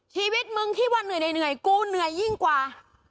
ชีวิตมึงคิดว่าเหนื่อยกูเหนื่อยยิ่งกว่า